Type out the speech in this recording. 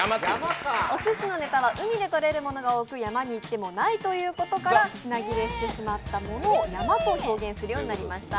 おすしのネタは海で取れるものが多く山に行ってもないという意味から品切れしてしまったものをヤマと表現するようになりました。